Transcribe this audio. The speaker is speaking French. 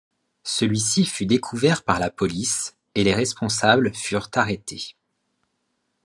Celui-ci fut découvert par la police, et les responsables furent arrêtés.